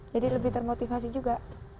jadi lebih termotivasi juga